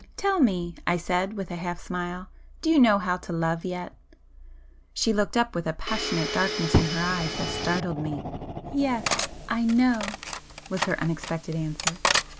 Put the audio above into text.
"Tell me," I said with a half smile—"Do you know how to love yet?" She looked up with a passionate darkness in her eyes that startled me. "Yes,—I know!" was her unexpected answer.